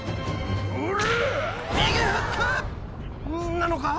なのか？